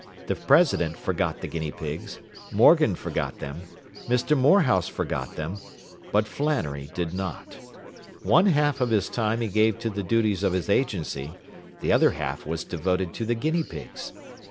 The president forgot the guinea pigs, Morgan forgot them, Mr. Morehouse forgot them, but Flannery did not. One half of his time he gave to the duties of his agency; the other half was devoted to the guinea pigs.